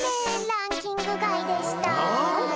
ランキングがいでした。